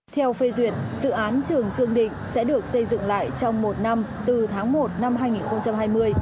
theo phê duyệt dự án trường trương định sẽ được xây dựng lại trong một năm từ tháng một năm hai nghìn hai mươi